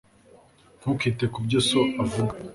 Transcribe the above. ntukite ku byo so avuga